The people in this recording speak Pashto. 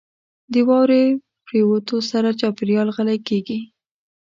• د واورې پرېوتو سره چاپېریال غلی کېږي.